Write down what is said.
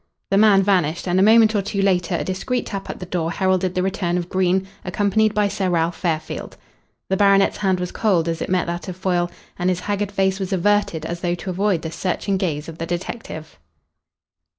The man vanished, and a moment or two later a discreet tap at the door heralded the return of Green, accompanied by Sir Ralph Fairfield. The baronet's hand was cold as it met that of Foyle, and his haggard face was averted as though to avoid the searching gaze of the detective.